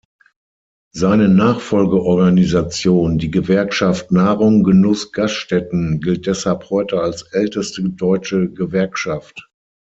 Seine Nachfolgeorganisation, die Gewerkschaft Nahrung-Genuss-Gaststätten gilt deshalb heute als älteste deutsche Gewerkschaft.